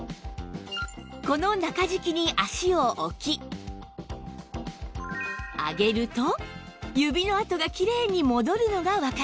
この中敷きに足を置き上げると指の跡がきれいに戻るのがわかります